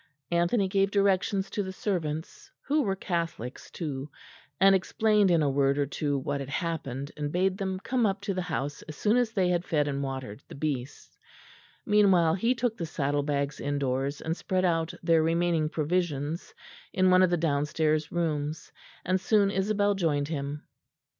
Anthony gave directions to the servants, who were Catholics too, and explained in a word or two what had happened; and bade them come up to the house as soon as they had fed and watered the beasts; meanwhile he took the saddle bags indoors and spread out their remaining provisions in one of the downstairs rooms; and soon Isabel joined him.